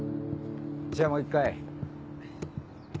じゃあもう１回。